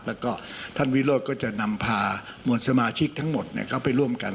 แล้วก็ท่านวิโรธก็จะนำพามวลสมาชิกทั้งหมดเข้าไปร่วมกัน